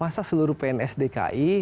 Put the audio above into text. masa seluruh pns dki